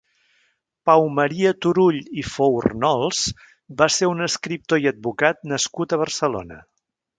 Pau Maria Turull i Fournols va ser un escriptor i advocat nascut a Barcelona.